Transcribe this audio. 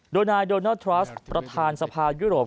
โดยนายโดนัลดทรัสประธานสภายุโรป